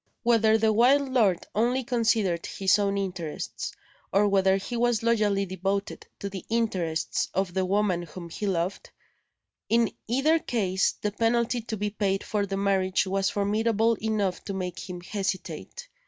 Whether the wild lord only considered his own interests, or whether he was loyally devoted to the interests of the woman whom he loved, in either case the penalty to be paid for the marriage was formidable enough to make him hesitate.